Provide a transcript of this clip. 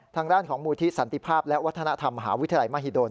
ทางด้านของมูลที่สันติภาพและวัฒนธรรมมหาวิทยาลัยมหิดล